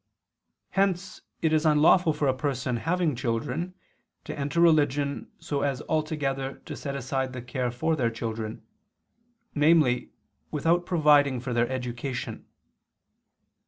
Hence it is unlawful for a person having children to enter religion so as altogether to set aside the care for their children, namely without providing for their education.